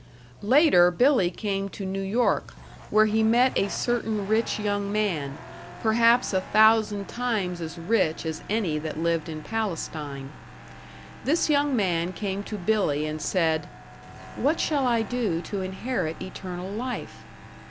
Later Billy came to New York, where he met a certain rich young man, perhaps a thousand times as rich as any that lived in Palestine. This young man came to Billy and said: "What shall I do to inherit eternal life?"